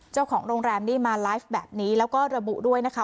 เจ้าของโรงแรมนี่มาไลฟ์แบบนี้แล้วก็ระบุด้วยนะคะ